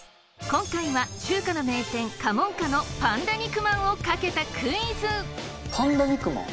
今回は中華の名店過門香のパンダ肉まんを懸けたクイズパンダ肉まん？